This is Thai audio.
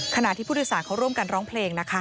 ขณะที่ผู้โดยสารเขาร่วมกันร้องเพลงนะคะ